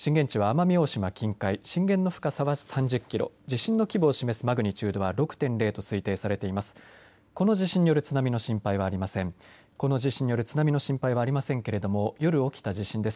震源地は奄美大島震源の深さは３０キロ地震の規模を示すマグニチュードは６．０と推定されています。